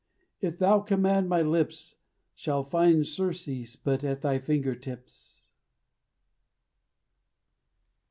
If thou command, my lips Shall find surcease but at thy fingertips.